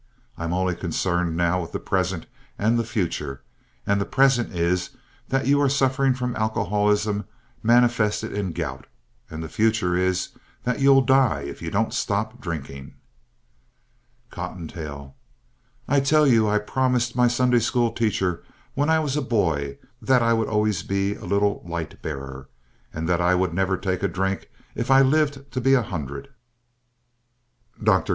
I'm only concerned now with the present and the future, and the present is that you're suffering from alcoholism manifested in gout, and the future is that you'll die if you don't stop drinking. COTTONTAIL I tell you I promised my Sunday school teacher when I was a boy that I would always be a Little Light Bearer, and that I would never take a drink if I lived to be a hundred. DR.